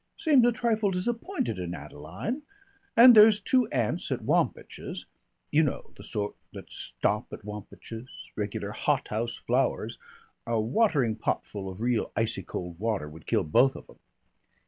Seems a trifle disappointed in Adeline. And there's two aunts at Wampach's you know the sort that stop at Wampach's regular hothouse flowers a watering potful of real icy cold water would kill both of 'em.